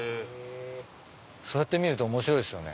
そうやって見ると面白いっすよね。